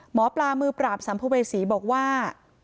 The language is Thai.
หมอปลามือปราบสัมภเวษีบอกว่า